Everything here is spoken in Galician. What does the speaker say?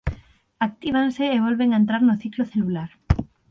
Actívanse e volven a entrar no ciclo celular.